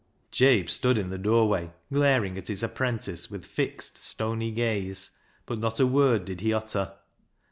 " Jabe stood in the doorway glaring at his apprentice with fixed, stony gaze, but not a word did he utter.